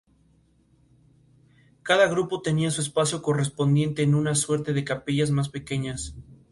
Cada grupo tenía su espacio correspondiente en una suerte de capillas más pequeñas.